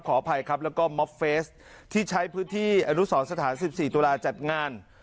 ขออภัยครับแล้วก็ที่ใช้พื้นที่อนุสรสถานสิบสี่ตุลาจัดงาน